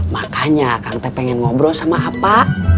makanya kang teh pengen ngobrol sama apa